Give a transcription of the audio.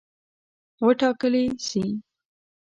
وټاکلي سي.